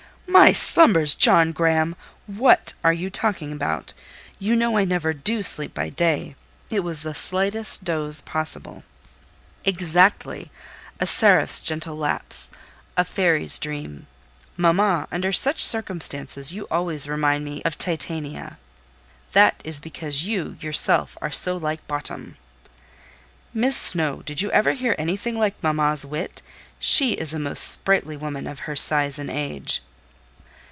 "My slumbers, John Graham! What are you talking about? You know I never do sleep by day: it was the slightest doze possible." "Exactly! a seraph's gentle lapse—a fairy's dream. Mamma, under such circumstances, you always remind me of Titania." "That is because you, yourself, are so like Bottom." "Miss Snowe—did you ever hear anything like mamma's wit? She is a most sprightly woman of her size and age."